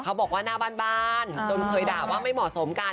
บอกว่าหน้าบ้านจนเคยด่าว่าไม่เหมาะสมกัน